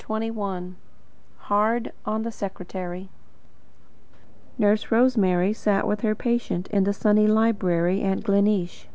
CHAPTER XXI HARD ON THE SECRETARY Nurse Rosemary sat with her patient in the sunny library at Gleneesh.